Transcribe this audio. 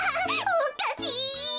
おっかしい！